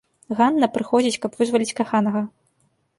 Ганна прыходзіць, каб вызваліць каханага.